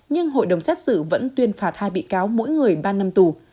nhưng hội đồng xét xử vẫn tuyên phạt hai bị cáo mỗi người ba năm tù